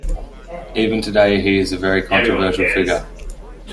Even today he is a very controversial figure.